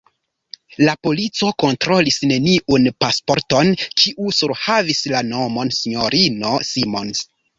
La polico kontrolis neniun pasporton, kiu surhavis la nomon S-ino Simons.